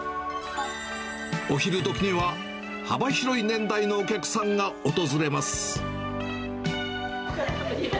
お昼どきには幅広い年代のお客さんが訪れます。